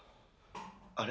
あれ？